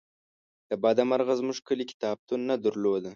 له بده مرغه زمونږ کلي کتابتون نه درلوده